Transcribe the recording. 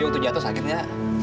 untuk jatuh sakitnya